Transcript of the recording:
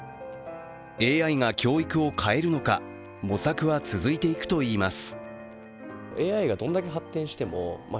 ＡＩが教育を変えるのか、模索は続いていくといいます。